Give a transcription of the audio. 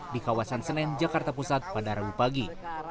di kawasan senen jakarta pusat pada rabu pagi